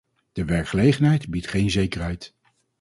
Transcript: De werkgelegenheid biedt geen zekerheid.